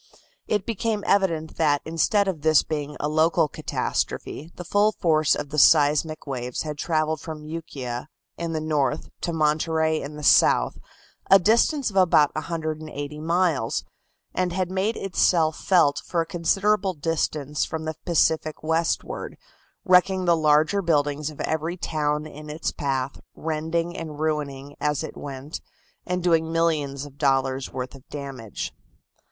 It became evident that instead of this being a local catastrophe, the full force of the seismic waves had travelled from Ukiah in the north to Monterey in the south, a distance of about 180 miles, and had made itself felt for a considerable distance from the Pacific westward, wrecking the larger buildings of every town in its path, rending and ruining as it went, and doing millions of dollars worth of damage.